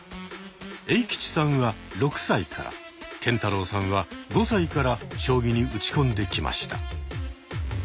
エイキチさんは６歳からケンタロウさんは５歳から将棋に打ち込んできました。